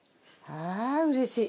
ああーうれしい！